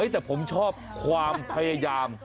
แต่ผมชอบความพยายาม